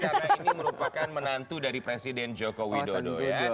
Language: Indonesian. karena bmo adalah menantu dari presiden joko widodo